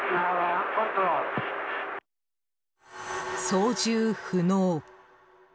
操縦不能。